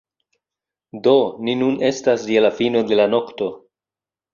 Do, ni nun estas je la fino de la nokto